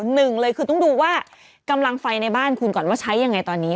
หนึ่งเลยคือต้องดูว่ากำลังไฟในบ้านคุณก่อนว่าใช้ยังไงตอนนี้